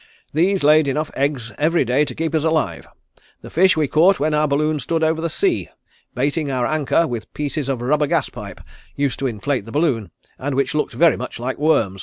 These laid enough eggs every day to keep us alive. The fish we caught when our balloon stood over the sea, baiting our anchor with pieces of rubber gas pipe used to inflate the balloon, and which looked very much like worms."